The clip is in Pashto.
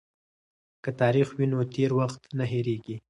که تاریخ وي نو تیر وخت نه هیریږي.